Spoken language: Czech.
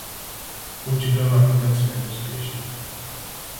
Puč byl nakonec neúspěšný.